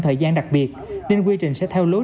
thời gian đặc biệt nên quy trình sẽ theo lối